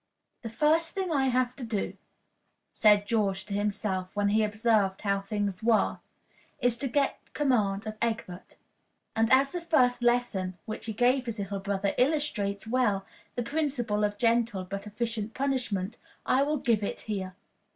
"The first thing I have to do," said George to himself, when he observed how things were, "is to get command of Egbert;" and as the first lesson which he gave his little brother illustrates well the principle of gentle but efficient punishment, I will give it here.